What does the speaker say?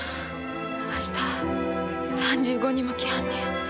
明日３５人も来はんねん。